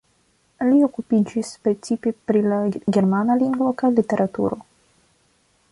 Li okupiĝis precipe pri la germana lingvo kaj literaturo.